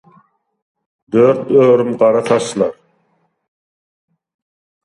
Dört örüm gara saçlar.